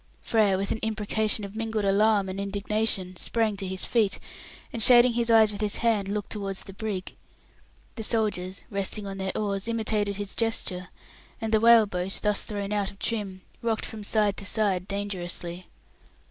Frere, with an imprecation of mingled alarm and indignation, sprang to his feet, and shading his eyes with his hand, looked towards the brig. The soldiers, resting on their oars, imitated his gesture, and the whale boat, thus thrown out of trim, rocked from side to side dangerously.